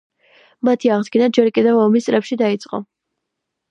მათი აღდგენა ჯერ კიდევ ომის წლებში დაიწყო.